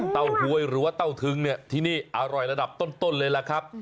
หวยหรือว่าเต้าทึงเนี่ยที่นี่อร่อยระดับต้นเลยล่ะครับ